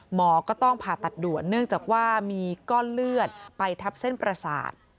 หมอก็ต้องผ่าตัดด่วนเนื่องจากว่ามีก้อนเลือดไปทับเส้นประสาท